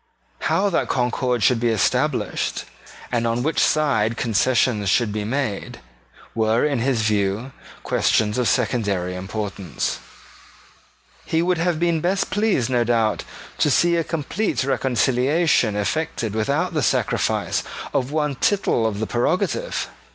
How that concord should be established, and on which side concessions should be made, were, in his view, questions of secondary importance. He would have been best pleased, no doubt, to see a complete reconciliation effected without the sacrifice of one tittle of the prerogative.